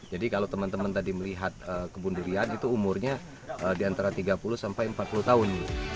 jadi kalau teman teman tadi melihat kebun durian itu umurnya di antara tiga puluh sampai empat puluh tahun